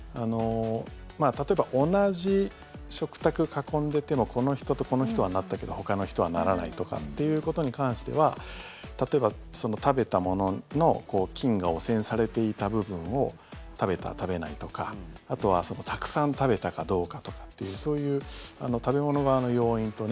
例えば同じ食卓を囲んでいてもこの人とこの人はなったけどほかの人はならないとかっていうことに関しては例えば、食べたものの菌が汚染されていた部分を食べた、食べないとかあとはたくさん食べたかどうかというそういう食べ物側の要因と。